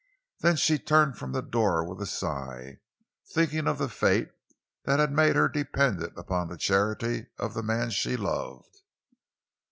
Then she turned from the door with a sigh, thinking of the fate that had made her dependent upon the charity of the man she loved.